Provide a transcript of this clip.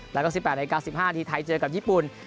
แล้วก็๑๘นาที๑๕นาทีไทยเจอกับญี่ปุ่น